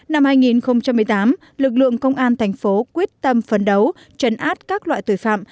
năm hai nghìn một mươi tám lực lượng công an thành phố quyết tâm phấn đấu chấn áp các loại tội phạm